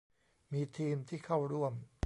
มีทีมที่เข้าร่วม